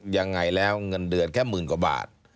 ยังไงแล้วเงินเดือนแค่หมื่นกว่าบาท